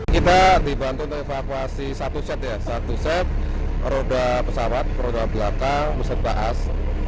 kita dibantu untuk evakuasi satu set ya satu set roda pesawat roda belakang beserta as